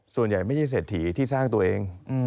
ส่วนใหญ่ไม่ใช่เศรษฐีที่สร้างตัวเอง